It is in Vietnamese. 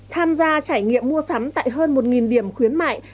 tham gia trải nghiệm mua sắm tại hơn một điểm khuyến mại